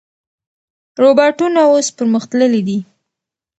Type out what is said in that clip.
روباټونه اوس پرمختللي دي.